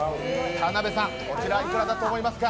田辺さん、こちらいくらだと思いますか？